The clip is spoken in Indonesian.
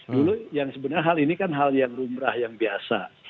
dulu yang sebenarnya hal ini kan hal yang lumrah yang biasa